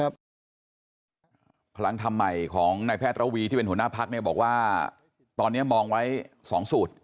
พลังทำใหม่ของนายแพทย์ระวีที่เป็นหัวหน้าพักเนี่ยบอกว่าตอนนี้มองไว้๒สูตร